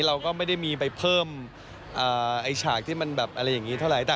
เราก็ไม่ได้มีไปเพิ่มไอ้ฉากที่มันแบบอะไรอย่างนี้เท่าไหร่